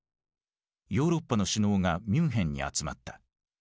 ヨーロッパの首脳がミュンヘンに集まった。